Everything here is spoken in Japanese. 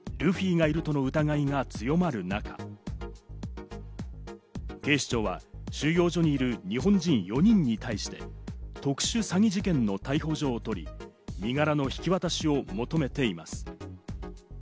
フィリピン・マニラの収容所に日本で起きた連続強盗事件の指示役・ルフィがいるとの疑いが強まる中、警視庁は収容所にいる日本人４人に対して、特殊詐欺事件の逮捕状を取り、身柄の引き渡しを求めています。